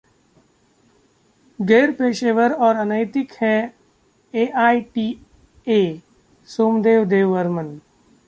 गैरपेशेवर और अनैतिक है एआईटीएः सोमदेव देववर्मन